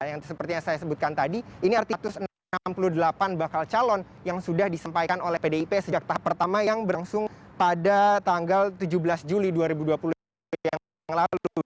yang seperti yang saya sebutkan tadi ini artikus enam puluh delapan bakal calon yang sudah disampaikan oleh pdip sejak tahap pertama yang berlangsung pada tanggal tujuh belas juli dua ribu dua puluh dua yang lalu